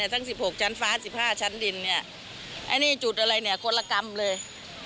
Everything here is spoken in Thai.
ทั้งสิบหกชั้นฟ้าสิบห้าชั้นดินอันนี้จุดอะไรคนละกรรมเลย